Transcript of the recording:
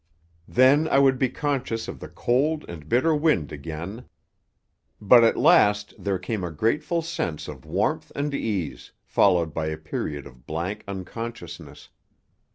Then I would be conscious of the cold and bitter wind again. But at last there came a grateful sense of warmth and ease, followed by a period of blank unconsciousness.